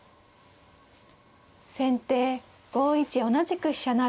先手５一同じく飛車成。